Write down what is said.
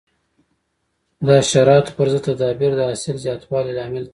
د حشراتو پر ضد تدابیر د حاصل زیاتوالي لامل کېږي.